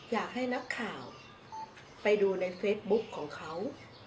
อยากให้นักข่าวไปดูในเฟซบุ๊คของเขา